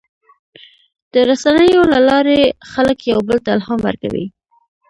د رسنیو له لارې خلک یو بل ته الهام ورکوي.